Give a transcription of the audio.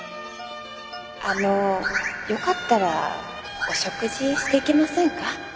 あのよかったらお食事していきませんか？